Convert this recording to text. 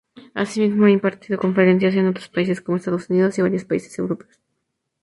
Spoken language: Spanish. Asimismo, ha impartido conferencias en otros países, como Estados Unidos y varios países europeos.